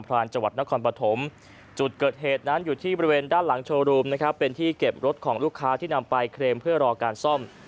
รานจังหวัดนครปฐมจุดเกิดเหตุนั้นอยู่ที่บริเวณด้านหลังโชว์รูมนะครับเป็นที่เก็บรถของลูกค้าที่นำไปเคลมเพื่อรอการซ่อม